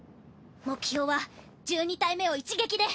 目標は１２体目を一撃で。